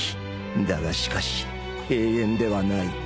だがしかし永遠ではない